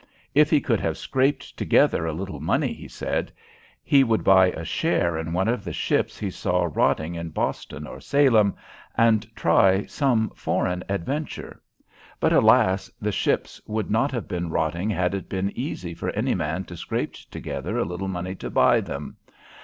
If he could have scraped together a little money, he said, he would buy a share in one of the ships he saw rotting in Boston or Salem, and try some foreign adventure. But, alas! the ships would not have been rotting had it been easy for any man to scrape together a little money to buy them.